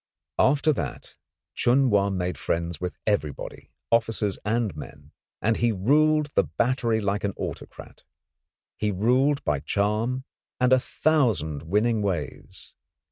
After that Chun Wa made friends with everybody, officers and men, and he ruled the battery like an autocrat. He ruled by charm and a thousand winning ways.